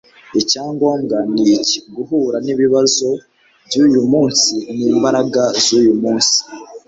icyangombwa ni iki: guhura n'ibibazo by'uyu munsi n'imbaraga z'uyu munsi